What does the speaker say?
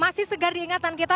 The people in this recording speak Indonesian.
masih segar diingatan kita